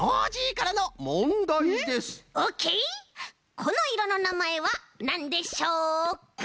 このいろのなまえはなんでしょうか？